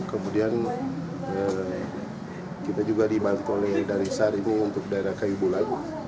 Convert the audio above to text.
kemudian kita juga dibantu oleh dari sar ini untuk daerah kayu bulan